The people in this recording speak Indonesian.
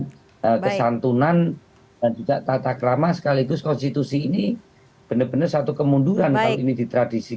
dan kesantunan dan juga tata kerama sekaligus konstitusi ini benar benar satu kemunduran kali ini di tradisi